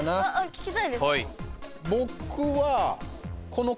聞きたいです。